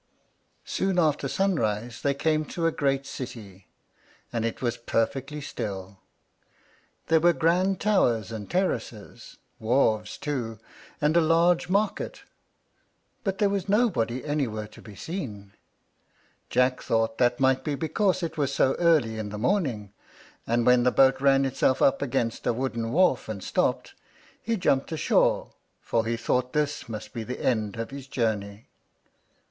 Soon after sunrise they came to a great city, and it was perfectly still. There were grand towers and terraces, wharves, too, and a large market, but there was nobody anywhere to be seen. Jack thought that might be because it was so early in the morning; and when the boat ran itself up against a wooden wharf and stopped, he jumped ashore, for he thought this must be the end of his journey.